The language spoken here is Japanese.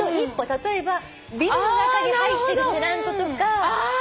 例えばビルの中に入ってるテナントとか。